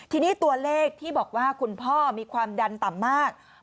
ทีนี้ตัวเลขที่บอกว่าคุณพ่อมีความดันต่ำมาก